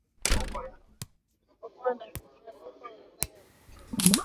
Usikuwa na pupa unapofanya vitu